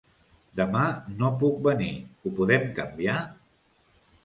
Demà no puc venir! Ho podem canviar?